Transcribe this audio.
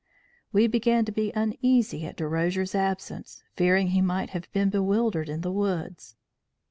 "We began to be uneasy at Derosier's absence, fearing he might have been bewildered in the woods.